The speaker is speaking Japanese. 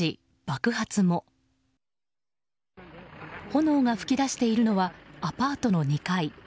炎が噴き出しているのはアパートの２階。